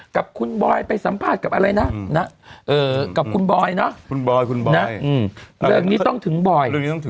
กับคุณบอยไปสัมภาษณ์กับอะไรนะกับคุณบอยเนาะคุณบอยคุณบอยนะเรื่องนี้ต้องถึงบอย